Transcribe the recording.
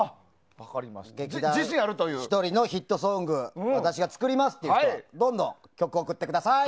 劇団ひとりのヒットソングを私が作りますという人はどんどん曲を送ってください！